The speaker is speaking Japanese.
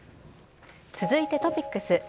続いて、トピックス。